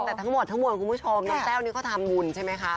แต่ทั้งหมดทั้งมวลคุณผู้ชมน้องแต้วนี่เขาทำบุญใช่ไหมคะ